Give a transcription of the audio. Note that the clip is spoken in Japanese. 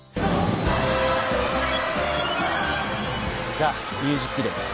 ＴＨＥＭＵＳＩＣＤＡＹ